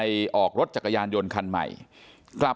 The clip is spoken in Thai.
ทีนี้ก็ต้องถามคนกลางหน่อยกันแล้วกัน